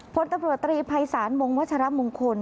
พลตำรวจตรีภัยศาลวงวัชรมงคล